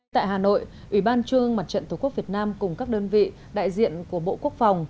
tại hà nội ủy ban trung mặt trận tổ quốc việt nam cùng các đơn vị đại diện của bộ quốc phòng